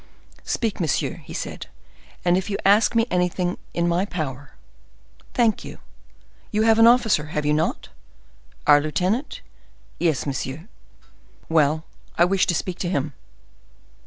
"Speak, monsieur," said he; "and if you ask me anything in my power—" "Thank you. You have an officer, have you not?" "Our lieutenant? Yes, monsieur." "Well, I wish to speak to him."